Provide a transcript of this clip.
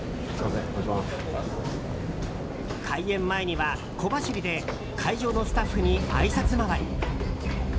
開演前には小走りで会場のスタッフにあいさつ回り。